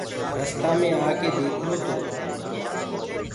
رستآ مي آڪي ديکرو تو